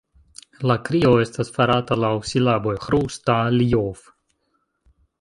La krio estis farata laŭ silaboj: "Ĥru-Sta-ljov!